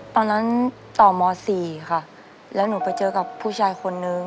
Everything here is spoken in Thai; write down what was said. ตอนนั้นต่อม๔ค่ะแล้วหนูไปเจอกับผู้ชายคนนึง